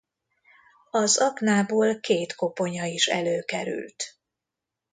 Az aknából két koponya is előkerült.